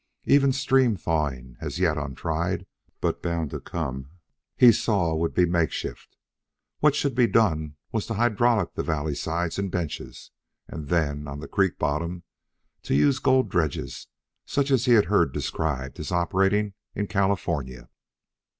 Even steam thawing, as yet untried, but bound to come, he saw would be a makeshift. What should be done was to hydraulic the valley sides and benches, and then, on the creek bottom, to use gold dredges such as he had heard described as operating in California.